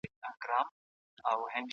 ایا مسلکي بڼوال تور ممیز پروسس کوي؟